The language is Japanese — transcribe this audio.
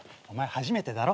初めてだろ？